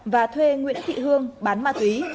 và thuê nguyễn thị hương bán ma túy